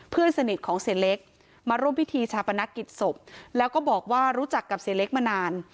เพื่อนสนิทของเสียเล็กมาร่วมพิธีชาปนกิจศพแล้วก็บอกว่ารู้จักกับเสียเล็กมานาน